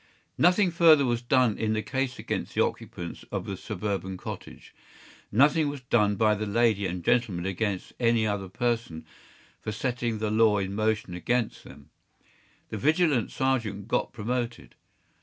Nothing further was done in the case against the occupants of the suburban cottage. Nothing was done by that lady and gentleman against any other person for setting the law in motion against them. The vigilant sergeant got promoted.